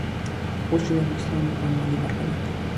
غوښې د افغانستان د بڼوالۍ برخه ده.